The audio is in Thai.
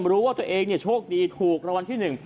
รู้ว่าตัวเองโชคดีถูกรางวัลที่๑